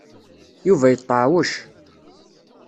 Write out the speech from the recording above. Yuba yeṭṭeɛwec.